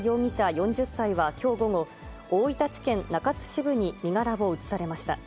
４０歳はきょう午後、大分地検中津支部に身柄を移されました。